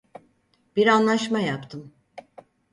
Bir anlaşma yaptım.